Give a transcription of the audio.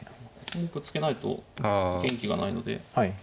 銀ぶつけないと元気がないので。